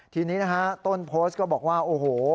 ทีนี้นะฮะต้นโพสต์ก็บอกว่าโอ้โห